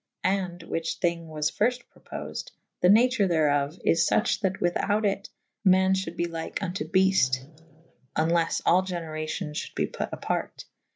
And (whiche thynge was fyrfte propofsd) the nature therof is fuche / that without it : man fhuld be lyke vnto befte / oneles all generacyon f hulde be put aparte.